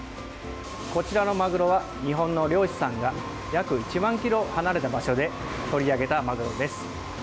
こちらのマグロは日本の漁師さんが約１万ｋｍ離れた場所でとりあげたマグロです。